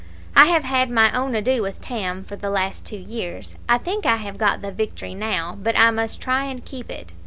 I have had my own ado with Tam for the last two years. I think I have got the victory now; but I must try and keep it.